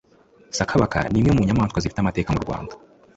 Sakabaka nimwe mu nyamanswa zifite amateka mu Rwanda